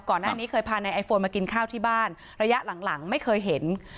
ก่อนหน้านี้เคยพานายไอโฟนมากินข้าวที่บ้านระยะหลังหลังไม่เคยเห็น